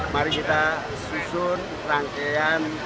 mari kita susun rangkaian